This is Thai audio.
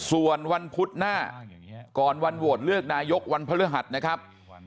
ส่วนวันพุธหน้าก่อนวันโหวตเลือกนายกวันพฤหัสนะครับ